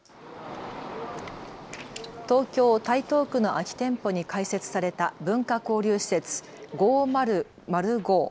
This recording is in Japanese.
東京台東区の空き店舗に開設された文化交流施設、５００５。